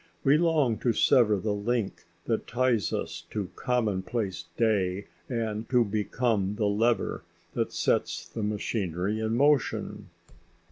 We long to sever the link that ties us to commonplace day and to become the lever that sets the machinery in motion.